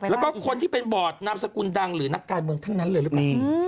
แล้วก็คนที่เป็นบอร์ดนามสกุลดังหรือนักการเมืองทั้งนั้นเลยหรือเปล่า